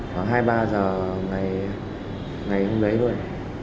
khoảng hai ba giờ ngày hôm đấy thôi